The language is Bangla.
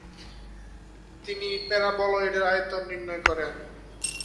তিনি প্যারাবলয়েডের আয়তন নির্ণয় করেন।